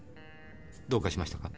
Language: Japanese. どうかしましたか？